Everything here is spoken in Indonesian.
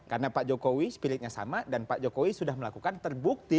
karena pak jokowi spiritnya sama dan pak jokowi sudah melakukan terbukti